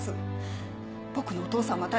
「僕のお父さんは誰？